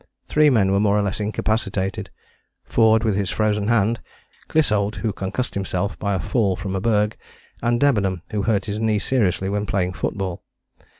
Three men were more or less incapacitated: Forde with his frozen hand, Clissold who concussed himself by a fall from a berg, and Debenham who hurt his knee seriously when playing foot ball.